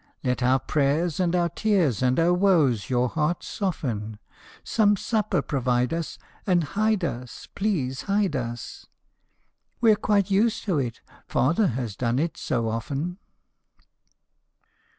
Let our prayers, and our tears, and our woes your heart soften ; Some supper provide us, And hide us please hide us, We're quite used to it, father has done it so often.''